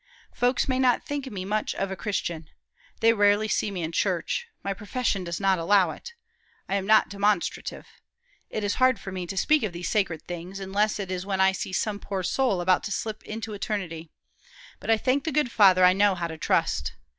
Folks may not think me much of a Christian. They rarely see me in Church my profession does not allow it. I am not demonstrative. It is hard for me to speak of these sacred things, unless it is when I see some poor soul about to slip into eternity; but I thank the good Father I know how to trust.